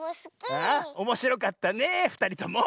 おもしろかったねふたりとも。